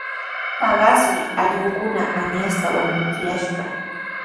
Paqasmi allquukuna añasta wañuchuyashqa.